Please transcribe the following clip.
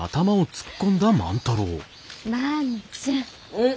うん？